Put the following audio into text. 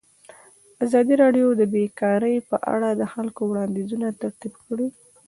ازادي راډیو د بیکاري په اړه د خلکو وړاندیزونه ترتیب کړي.